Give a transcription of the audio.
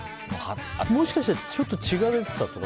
もしかしてちょっと血が出てたとか。